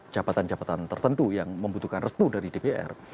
jabatan jabatan tertentu yang membutuhkan restu dari dpr